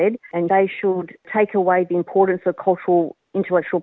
dan mereka harus mengambil kepentingan kepentingan kulturnya